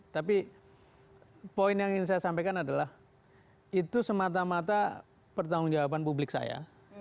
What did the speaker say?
tapi poin yang ingin saya sampaikan adalah itu semata mata pertanggung jawaban publik saya